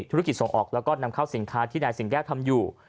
ธุรกิจส่งออกแล้วก็นำเข้าสินค้าที่นายสิงแก้วทำอยู่